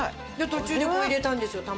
途中で入れたんですよ卵。